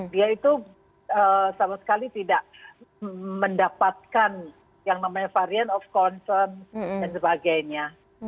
dia itu sama sekali tidak mendapatkan yang namanya varian of concern dan sebagainya